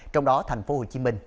trong đó thành phố hồ chí minh